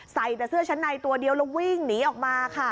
ใส่แต่เสื้อชั้นในตัวเดียวแล้ววิ่งหนีออกมาค่ะ